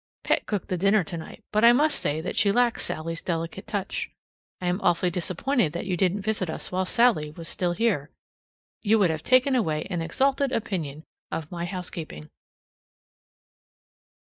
Pet cooked the dinner tonight, but I must say that she lacks Sallie's delicate touch. I am awfully disappointed that you didn't visit us while Sallie was still here. You would have taken away an exalted opinion of my housekeeping.